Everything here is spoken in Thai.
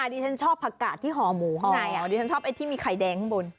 ดิฉันชอบผักกาดที่ห่อหมูข้างในอ๋อดิฉันชอบไอ้ที่มีไข่แดงข้างบน